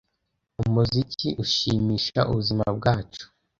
Umuziki ushimisha ubuzima bwacu.